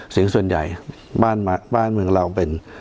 เสียงส่วนใหญ่บ้านเมืองเราเป็น